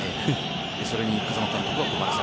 それに風間監督は。